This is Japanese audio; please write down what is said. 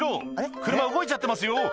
車動いちゃってますよ！」